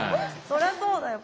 そりゃそうだよ。